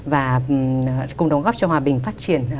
và cùng đóng góp cho hòa bình phát triển